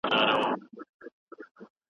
قسم یې راکړ چې مې ونه ویې حالونه